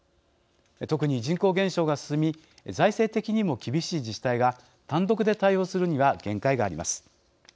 特に人口減少が進み財政的にも厳しい自治体が単独で対応するには限界があります。